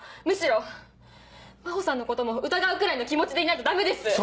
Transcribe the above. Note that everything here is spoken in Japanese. むしろ真帆さんのことも疑うくらいの気持ちでいないとダメです！